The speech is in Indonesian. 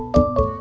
saat ep jayanya